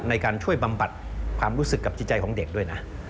ในการช่วยบำบัดความรู้สึกกับจิตใจของเด็กด้วยนะ